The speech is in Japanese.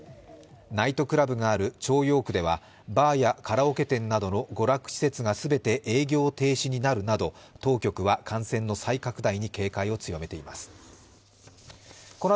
ナイトクラブがある朝陽区では、バーやカラオケ店などの娯楽施設が全て営業停止になるなど当局は感染の再拡大に警戒を強めています。